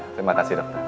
terima kasih dok